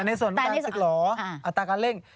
แต่ในส่วนการสิกหล่ออัตราการเร่ง